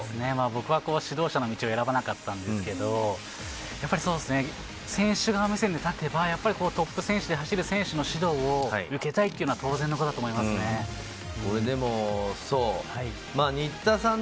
僕はこう指導者の道を選ばなかったんですけど、やっぱりそうですね、選手側目線で立てば、トップ選手で走る選手の指導を受けたいっていうのは、当然のことこれ、でも、そう、新田さん